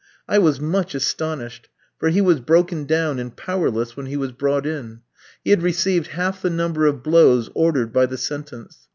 I was much astonished, for he was broken down and powerless when he was brought in. He had received half the number of blows ordered by the sentence.